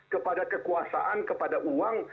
kepada kekuasaan kepada uang